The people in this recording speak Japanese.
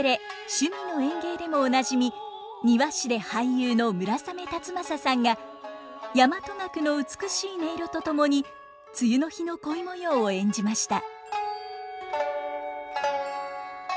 「趣味の園芸」でもおなじみ庭師で俳優の村雨辰剛さんが大和楽の美しい音色と共に梅雨の日の恋模様を演じました。